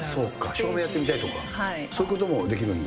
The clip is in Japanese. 照明やったりとか、そういうこともできるんだ。